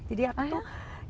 jadi aku tuh